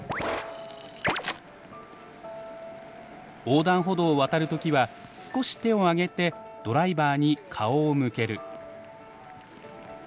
横断歩道を渡る時は少し手を上げてドライバーに顔を向ける。